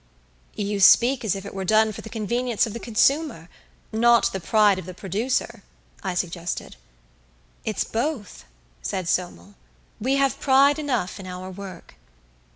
"You speak as if it were done for the convenience of the consumer not the pride of the producer," I suggested. "It's both," said Somel. "We have pride enough in our work."